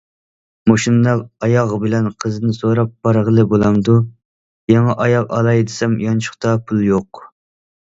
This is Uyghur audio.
مۇشۇنداق ئاياغ بىلەن قىزنى سوراپ بارغىلى بولامدۇ؟ يېڭى ئاياغ ئالاي دېسەم يانچۇقتا پۇل يوق.